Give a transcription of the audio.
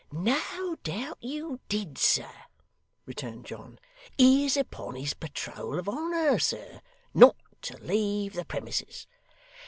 'No doubt you did, sir,' returned John. 'He is upon his patrole of honour, sir, not to leave the premises.